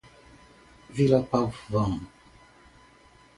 Vila Pavão